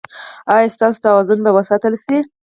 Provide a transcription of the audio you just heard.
ایا ستاسو توازن به وساتل شي؟